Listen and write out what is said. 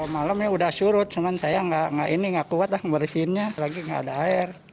malamnya sudah surut cuma saya tidak kuat berisiknya lagi tidak ada air